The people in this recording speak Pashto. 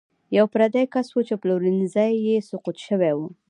یو پردی کس و چې پلورنځی یې سقوط شوی و.